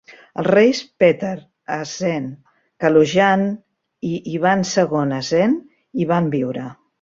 Els reis Petar, Assèn, Kalojan i Ivan II Assèn hi van viure.